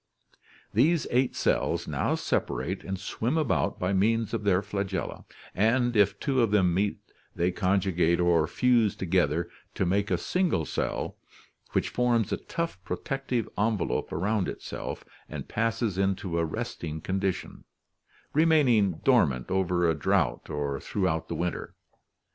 These eight cells now separate and swim about by means of their nagella, and if two of them meet they conjugate or fuse together to make a single cell which forms a tough THE LIFE CYCLE protective envel ope around itself and passes into a resting condition, remaining dor mant over a drought or throughout the winter.